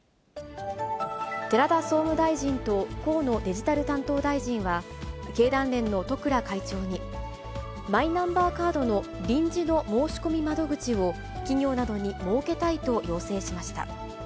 寺田総務大臣と河野デジタル担当大臣は、経団連の十倉会長に、マイナンバーカードの臨時の申し込み窓口を、企業などに設けたいと要請しました。